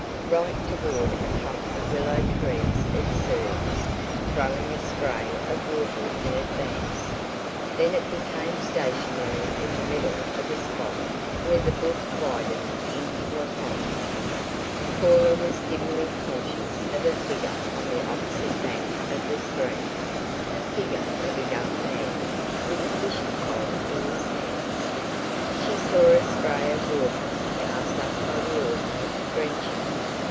Right toward a clump of willow trees it surged, throwing a spray of water in advance. Then it became stationary in the middle of a spot where the brook widened into a pond. Cora was dimly conscious of a figure on the opposite bank of the stream. A figure of a young man, with a fishing pole in his hands. She saw a spray of water, cast up by the auto, drench him.